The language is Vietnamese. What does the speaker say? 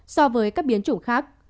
so với các biến chủng khác